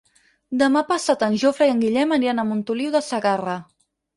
Demà passat en Jofre i en Guillem aniran a Montoliu de Segarra.